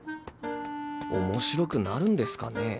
面白くなるんですかね？